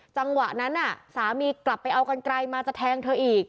จังหวะนั้นสามีกลับไปเอากันไกลมาจะแทงเธออีก